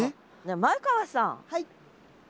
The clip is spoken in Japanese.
前川さん。